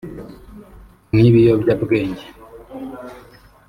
nk’ikiyobyabwenge